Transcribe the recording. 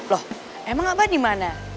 loh emang apa di mana